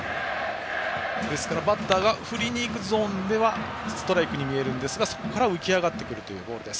バッターが振りに行くゾーンではストライクに見えるんですがそこから浮き上がるボールです。